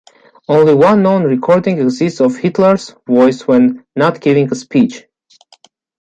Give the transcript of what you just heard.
Only one known recording exists of Hitler's voice when not giving a speech.